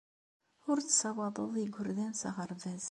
Ur tessawaḍeḍ igerdan s aɣerbaz.